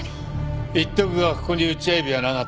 言っとくがここにウチワエビはなかった。